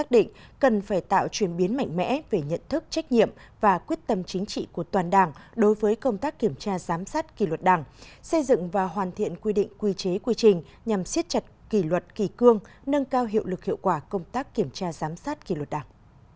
cần phải tạo chuyển biến mạnh mẽ về nhận thức trách nhiệm và quyết tâm chính trị của toàn đảng đối với công tác kiểm tra giám sát kỳ luật đảng xây dựng và hoàn thiện quy định quy chế quy trình nhằm siết chặt kỷ luật kỳ cương nâng cao hiệu lực hiệu quả công tác kiểm tra giám sát kỳ luật đảng